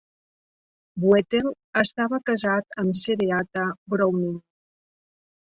Buetel estava casat amb Cereatha Browning.